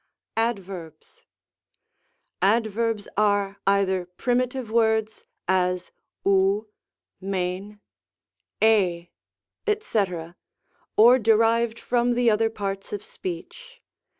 ADVERBS. Adverbs are either primitive words, as ov^ fir^Vy ^, &c., or derived from the other parts of speech.